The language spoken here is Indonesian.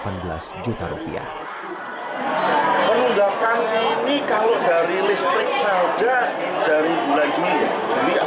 penunggakan ini kalau dari listrik saja dari bulan juli ya juli agustus september pemberian